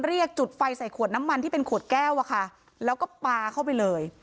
จุดไฟใส่ขวดน้ำมันที่เป็นขวดแก้วอะค่ะแล้วก็ปลาเข้าไปเลย